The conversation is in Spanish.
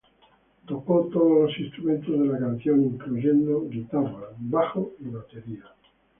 Tocó todos los instrumentos de la canción, incluyendo guitarra, bajo y batería.